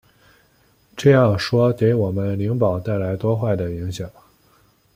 这样说给我们灵宝带来多坏的影响！